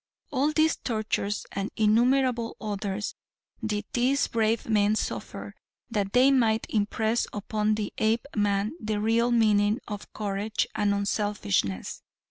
All these tortures and innumerable others, did these brave men suffer that they might impress upon the Apeman the real meaning of courage and unselfishness.